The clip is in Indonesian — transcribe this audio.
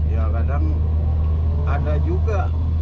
ya kadang ada juga